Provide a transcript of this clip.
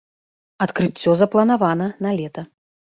Адкрыццё запланавана на лета.